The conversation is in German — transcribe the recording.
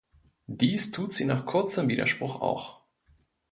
Dies tut sie nach kurzem Widerspruch auch.